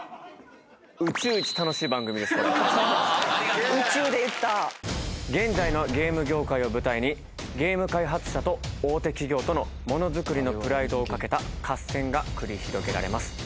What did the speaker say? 宇宙でいった現在のゲーム業界を舞台にゲーム開発者と大手企業とのものづくりのプライドをかけた合戦が繰り広げられます